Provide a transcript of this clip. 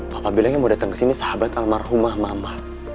papa bilang yang mau dateng kesini sahabat alma rumah mama